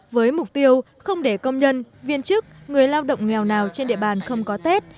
với mục tiêu không để công nhân viên chức người lao động nghèo nào trên địa bàn không có tết